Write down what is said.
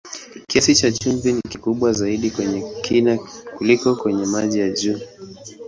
Kiasi cha chumvi ni kikubwa zaidi kwenye kina kuliko kwenye maji ya juu.